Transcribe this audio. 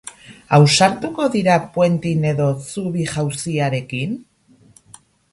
Ausartuko dira puenting edo zubi-jauziarekin?